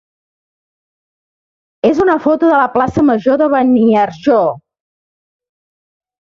és una foto de la plaça major de Beniarjó.